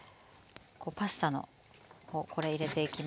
パスタのこれ入れていきます。